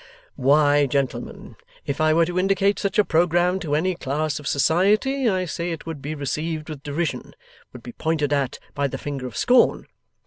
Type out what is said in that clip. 'Why, gentlemen, if I were to indicate such a programme to any class of society, I say it would be received with derision, would be pointed at by the finger of scorn.